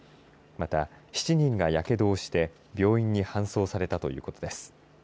また７人がやけどをして病院に搬送されたということです。